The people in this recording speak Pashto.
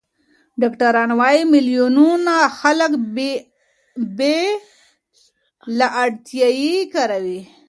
ډاکټران وايي، میلیونونه خلک بې له اړتیا یې کاروي.